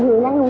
tương giấc mùi